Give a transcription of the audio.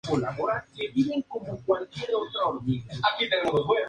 Omnitrix: En el pecho.